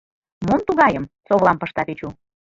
— Мом тугайым? — совлам пышта Печу.